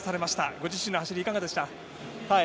ご自身の走り、いかがでしたか？